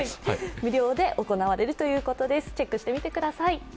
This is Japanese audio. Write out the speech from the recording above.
無料で行われるということです、チェックしてみてください。